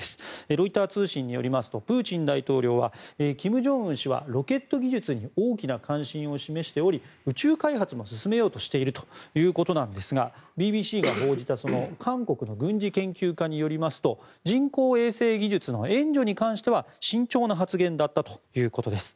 ロイター通信によりますとプーチン大統領は金正恩氏はロケット技術に大きな関心を示しており宇宙開発も進めようとしているということなんですがＢＢＣが報じた韓国の軍事研究家によりますと人工衛星技術の援助に関しては慎重な発言だったということです。